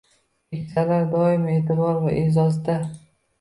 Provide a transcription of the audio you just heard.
Keksalar doimo e’tibor va e’zozda